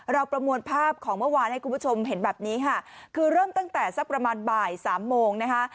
ประมวลภาพของเมื่อวานให้คุณผู้ชมเห็นแบบนี้ค่ะคือเริ่มตั้งแต่สักประมาณบ่ายสามโมงนะคะ